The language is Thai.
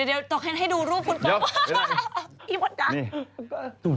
เดี๋ยวต้องให้ดูรูปคุณป๊อบ